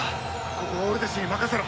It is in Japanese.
ここは俺たちに任せろ。